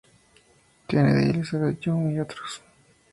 Kennedy, Elizabeth Young y otros.